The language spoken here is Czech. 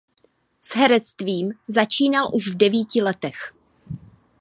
S herectvím začínal už v devíti letech.